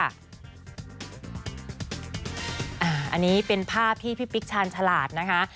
อันนี้เป็นภาพที่พี่ปิ๊กชาญฉลาดนะคะ